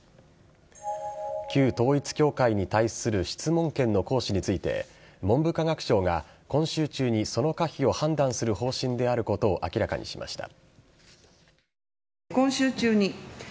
旧統一教会に対する質問権の行使について文部科学省が今週中にその可否を判断する方針であることを明らかにしました。